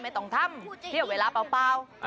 ไม่ต้องทำเพราะเวลาเป้า